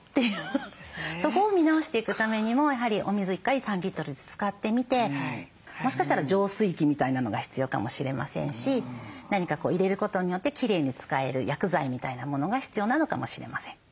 そこを見直していくためにもやはりお水１回３リットルで使ってみてもしかしたら浄水器みたいなのが必要かもしれませんし何か入れることによってきれいに使える薬剤みたいなものが必要なのかもしれません。